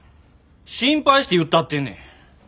心配して言ったってんねん！